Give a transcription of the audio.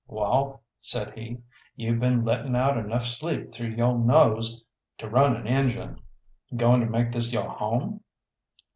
"Wall," said he, "you've been letting out enough sleep through yo' nose to run an engine. Goin' to make this yo' home?"